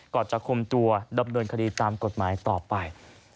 จะคุมตัวดำเนินคดีตามกฎหมายต่อไป